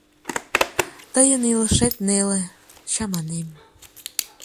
Тыйын илышет неле... чаманем...